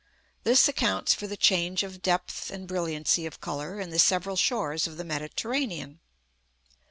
This accounts for the change of depth and brilliancy of colour in the several shores of the Mediterranean.